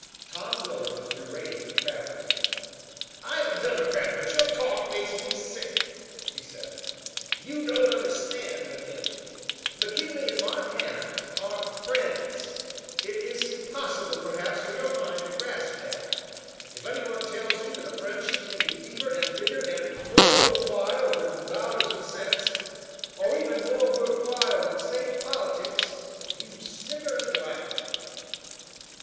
Tom Willard was berating the traveling men. "I am a Democrat but your talk makes me sick," he said. "You don't understand McKinley. McKinley and Mark Hanna are friends. It is impossible perhaps for your mind to grasp that. If anyone tells you that a friendship can be deeper and bigger and more worth while than dollars and cents, or even more worth while than state politics, you snicker and laugh."